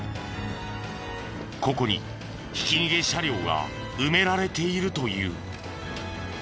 ここにひき逃げ車両が埋められているという。